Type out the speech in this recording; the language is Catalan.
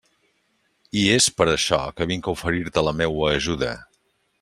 I és per això que vinc a oferir-te la meua ajuda.